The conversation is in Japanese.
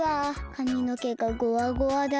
かみのけがゴワゴワだし。